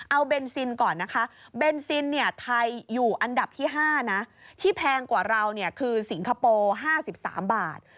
เอาเบนซินก่อนนะคะเบนซินเนี้ยไทยอยู่อันดับที่ห้านะที่แพงกว่าเราเนี้ยคือสิงคโปร์ห้าสิบสามบาท